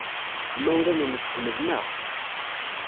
Imawlan-nnes ḥemmlen-aɣ.